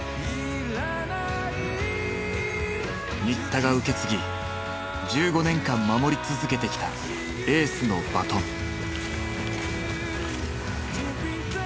新田が受け継ぎ１５年間守り続けてきたエースのバトン。